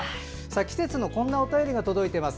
季節のこんなお便りが届いております。